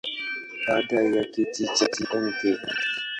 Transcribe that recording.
Baada ya kiti cha Mt.